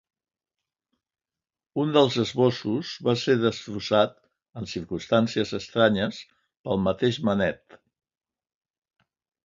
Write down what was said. Un dels esbossos va ser destrossat -en circumstàncies estranyes- pel mateix Manet.